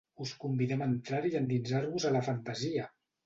Us convidem a entrar-hi i endinsar-vos a la fantasia!